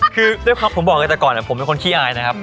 คือด้วยความผมบอกเลยแต่ก่อนผมเป็นคนขี้อายนะครับ